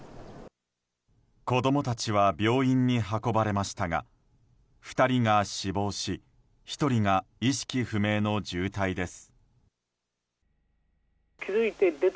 子供たちは病院に運ばれましたが２人が死亡し１人が意識不明の重体です。